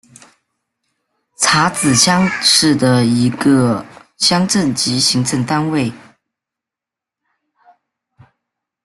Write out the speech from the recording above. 查孜乡是的一个乡镇级行政单位。